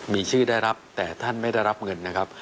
มีชื่อได้รับแต่ท่านไม่ได้รับเงินนะครับ